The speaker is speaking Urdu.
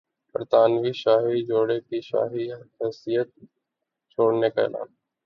برطانوی شاہی جوڑے کا شاہی حیثیت چھوڑنے کا اعلان